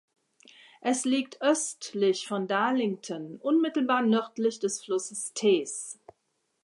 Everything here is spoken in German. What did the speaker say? Es liegt östlich von Darlington, unmittelbar nördlich des Flusses Tees.